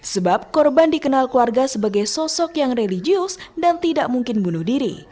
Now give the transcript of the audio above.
sebab korban dikenal keluarga sebagai sosok yang religius dan tidak mungkin bunuh diri